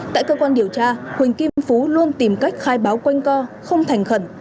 tại cơ quan điều tra huỳnh kim phú luôn tìm cách khai báo quanh co không thành khẩn